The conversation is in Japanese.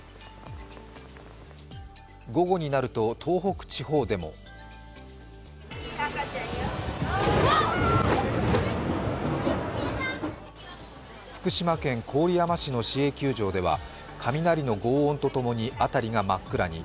午後になると東北地方でも福島県郡山市の市営球場では雷のごう音とともに辺りが真っ暗に。